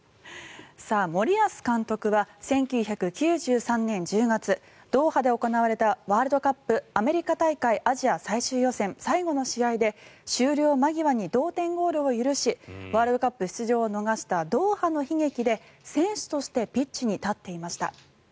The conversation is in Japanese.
森保監督は１９９３年１０月ドーハで行われたワールドカップアメリカ大会アジア最終予選最後の試合で終了間際に同点ゴールを許しワールドカップ出場を逃したドーハの悲劇で選手としてピッチに立っていました。